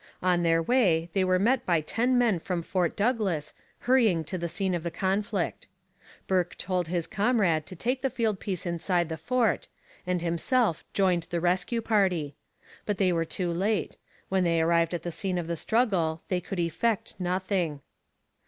On their way they were met by ten men from Fort Douglas, hurrying to the scene of the conflict. Bourke told his comrade to take the field piece inside the fort, and himself joined the rescue party. But they were too late: when they arrived at the scene of the struggle they could effect nothing.